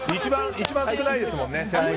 一番少ないですもんね。